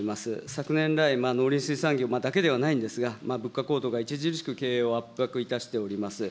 昨年来、農林水産業だけではないんですが、物価高騰が著しく経営を圧迫いたしております。